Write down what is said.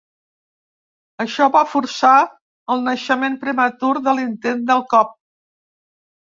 Això va forçar el naixement prematur de l’intent del cop.